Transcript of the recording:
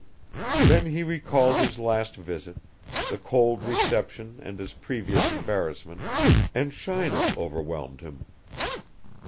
Then he recalled his last visit, the cold reception and his previous embarrassment, and shyness overwhelmed him.